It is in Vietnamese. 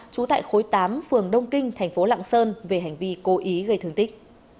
trú tại khối tám phường đông kinh thành phố lạng sơn về hành vi cố ý gây thương tích